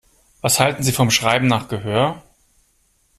Was halten Sie vom Schreiben nach Gehör?